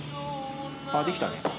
あっできたね。